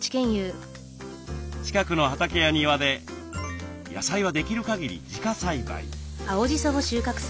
近くの畑や庭で野菜はできるかぎり自家栽培。